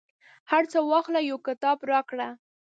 هرڅه واخله، یو کتاب راکړه